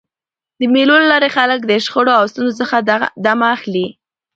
د مېلو له لاري خلک له شخړو او ستونزو څخه دمه اخلي.